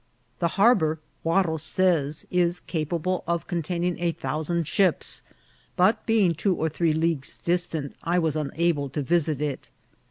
The harbour, Huarros says, is capable of containing a thousand ships ; but, being two or three leagues distant, I was unable to visit it.